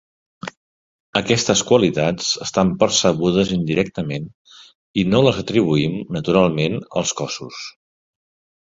Aquestes qualitats estan percebudes indirectament i no les atribuïm naturalment als cossos.